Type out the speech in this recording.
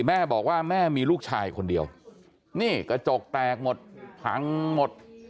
แม่บอกว่าแม่มีลูกชายคนเดียวนี่กระจกแตกหมดพังหมด